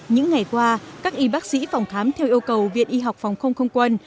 những ngày qua các y bác sĩ phòng khám theo yêu cầu viện y học phòng không không quân